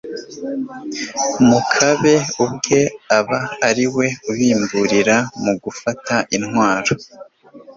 makabe ubwe aba ari we ubabimburira mu gufata intwaro